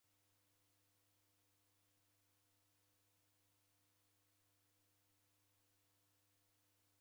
W'ai w'a kidaw'ida w'eka na lukundo shuu.